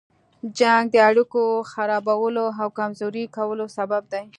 جنګ د اړيکو خرابولو او کمزوري کولو سبب دی.